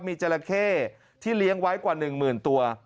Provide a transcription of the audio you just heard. มีจราเข้ที่เลี้ยงไว้กว่า๑๐๐๐ตัว